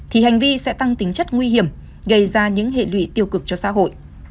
thì hành vi sẽ tăng tính chất nguy hiểm gây ra những hệ lụy tiêu cực cho xã hội